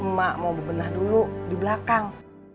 emak mau bebenah dulu di belakang